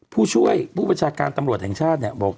ผู้ช่วยผู้บัญชาการตำรวจแห่งชาติเนี่ยบอก